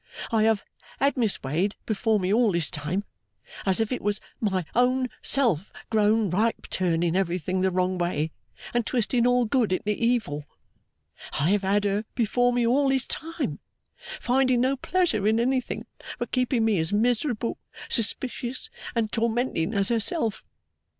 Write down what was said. I have had Miss Wade before me all this time, as if it was my own self grown ripe turning everything the wrong way, and twisting all good into evil. I have had her before me all this time, finding no pleasure in anything but keeping me as miserable, suspicious, and tormenting as herself.